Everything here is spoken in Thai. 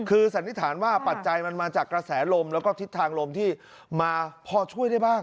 คือสันนิษฐานว่าปัจจัยมันมาจากกระแสลมแล้วก็ทิศทางลมที่มาพอช่วยได้บ้าง